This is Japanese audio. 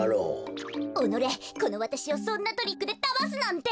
おのれこのわたしをそんなトリックでだますなんて！